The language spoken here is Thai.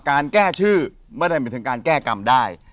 การแก้ชื่อไม่ได้เป็นการแก้กรรมได้